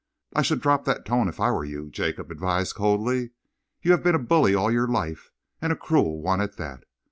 "I should drop that tone, if I were you," Jacob advised coldly. "You have been a bully all your life, and a cruel one at that.